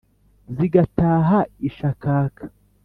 Zigataha ishakaka